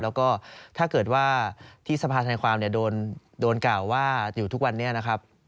แล้วก็ถ้าเกิดว่าที่สภาธนาความโดนกล่าวว่าอยู่ทุกวันนี้นะครับ